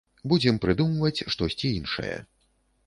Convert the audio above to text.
Будзем прыдумваць штосьці іншае.